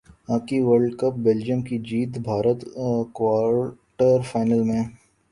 hockey world cup Belgium کی جیت Bharat quarter final میں